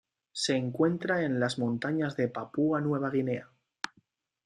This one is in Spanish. Se encuentra en las montañas de Papúa Nueva Guinea.